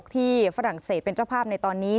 ฝรั่งเศสเป็นเจ้าภาพในตอนนี้